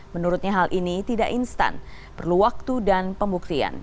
menurutnya hal ini tidak instan perlu waktu dan pembuktian